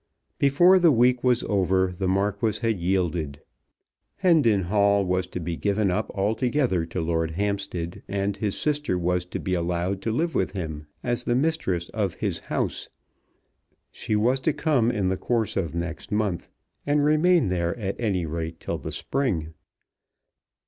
Before the week was over the Marquis had yielded. Hendon Hall was to be given up altogether to Lord Hampstead, and his sister was to be allowed to live with him as the mistress of his house. She was to come in the course of next month, and remain there at any rate till the spring.